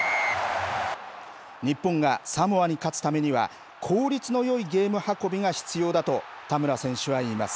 日本がサモアに勝つためには効率のよいゲーム運びが必要だと田村選手は言います。